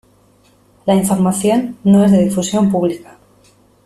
La información no es de difusión pública.